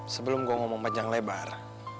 sebelum gue ngomong panjang lebar